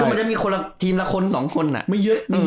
มันจะมีคนละทีมละคน๒คนไม่เยอะ